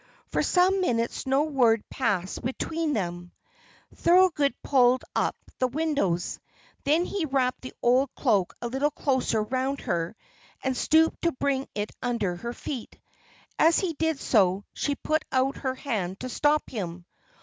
For some minutes no word passed between them. Thorold pulled up the windows. Then he wrapped the old cloak a little closer round her, and stooped to bring it under her feet. As he did so she put out her hand to stop him.